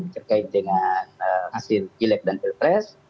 terkait dengan hasil pilek dan pilpres